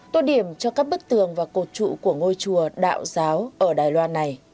tô điểm cho các bức tường và cột trụ của ngôi chùa đạo giáo ở đài loan này